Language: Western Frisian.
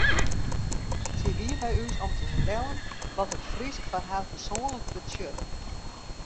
Se wie by ús om te fertellen wat it Frysk foar har persoanlik betsjut.